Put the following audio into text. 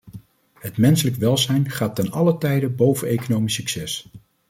Het menselijk welzijn gaat te allen tijde boven economisch succes.